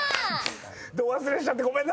度忘れしちゃってごめんなさい。